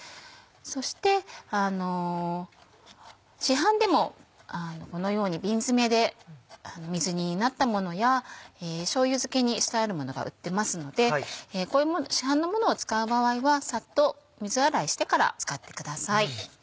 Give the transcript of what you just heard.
そして市販でもこのように瓶詰めで水煮になったものやしょうゆ漬けにしてあるものが売ってますので市販のものを使う場合はさっと水洗いしてから使ってください。